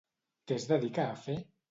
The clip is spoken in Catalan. Què es dedica a fer?